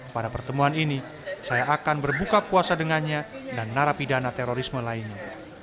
pada pertemuan ini saya akan berbuka puasa dengannya dan narapidana terorisme lainnya